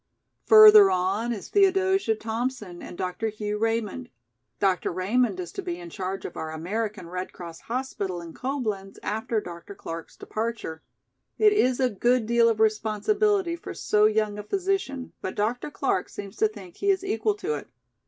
Further on is Theodosia Thompson and Dr. Hugh Raymond. Dr. Raymond is to be in charge of our American Red Cross hospital in Coblenz after Dr. Clark's departure. It is a good deal of responsibility for so young a physician, but Dr. Clark seems to think he is equal to it.